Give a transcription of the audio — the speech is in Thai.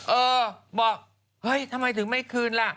เออบอกเฮ้ยทำไมถึงไม่คืนล่ะ